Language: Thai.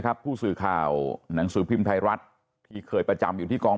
ผู้สื่อข่าวหนังสือพิมพ์ไทยรัฐที่เคยประจำอยู่ที่กอง